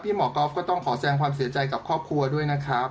หมอก๊อฟก็ต้องขอแสงความเสียใจกับครอบครัวด้วยนะครับ